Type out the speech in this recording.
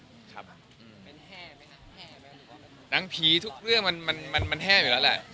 เป็นแฮ่ไหมครับแฮ่ไหมหรือว่านางผีทุกเรื่องมันมันมันมันแฮ่อยู่แล้วแหละ